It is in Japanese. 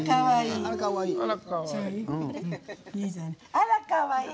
あら、かわいい。